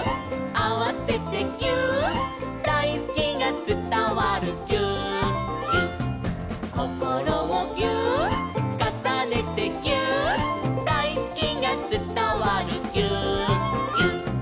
「あわせてぎゅーっ」「だいすきがつたわるぎゅーっぎゅっ」「こころをぎゅーっ」「かさねてぎゅーっ」「だいすきがつたわるぎゅーっぎゅっ」